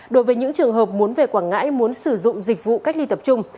đối với những trường hợp muốn về quảng ngãi muốn sử dụng dịch vụ cách ly tập trung